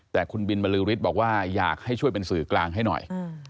แต่คุณบินบรือฤทธิ์บอกว่าอยากให้ช่วยเป็นสื่อกลางให้หน่อย